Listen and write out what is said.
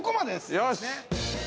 ◆よし！